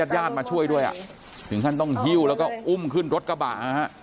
ญาติมาช่วยด้วยอ่ะถึงขั้นต้องหิ้วแล้วก็อุ้มขึ้นรถกระบะนะฮะ